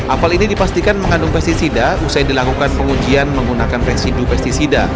apel ini dipastikan mengandung pesticida usai dilakukan pengujian menggunakan residu pesticida